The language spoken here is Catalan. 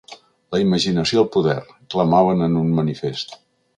"La imaginació al poder", clamaven en un manifest.